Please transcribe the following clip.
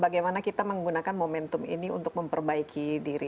bagaimana kita menggunakan momentum ini untuk memperbaiki diri